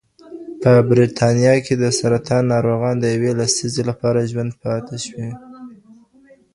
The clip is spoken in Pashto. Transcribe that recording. په بریتانیا کې د سرطان ناروغان د یوې لسیزې لپاره ژوندي پاتې شوي.